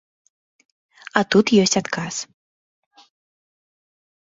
А тут ёсць адказ.